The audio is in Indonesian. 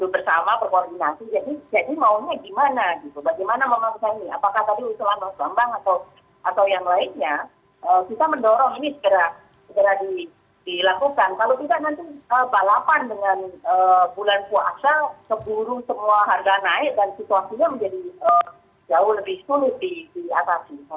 bulan puasa sepuru semua harga naik dan situasinya menjadi jauh lebih sulit diatasi saja